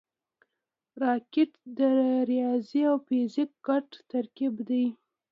راکټ د ریاضي او فزیک ګډ ترکیب دی